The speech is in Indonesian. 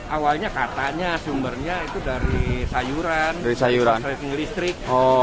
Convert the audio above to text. awalnya katanya sumbernya itu dari sayuran sayuran listrik